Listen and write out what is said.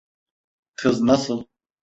Kız nasıl?